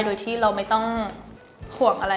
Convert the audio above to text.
โดยที่เราไม่ต้องห่วงอะไร